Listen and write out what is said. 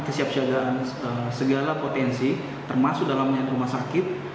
kesiap siapan segala potensi termasuk dalam rumah sakit